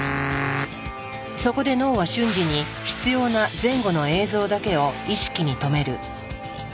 そこで脳は瞬時に必要な前後の映像だけを意識に留める。